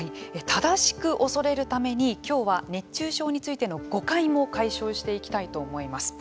正しく恐れるためにきょうは、熱中症についての誤解も解消していきたいと思います。